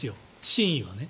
真意はね。